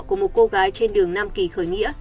của một cô gái trên đường nam kỳ khởi nghĩa